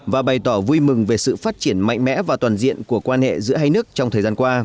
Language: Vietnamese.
và bày tỏ vui mừng về sự phát triển mạnh mẽ và toàn diện của quan hệ giữa hai nước trong thời gian qua